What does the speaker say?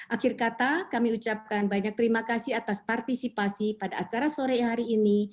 akhir kata kami ucapkan banyak terima kasih atas partisipasi pada acara sore hari ini